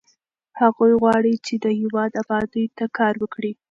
هغوی غواړي چې د هېواد ابادۍ ته کار وکړي.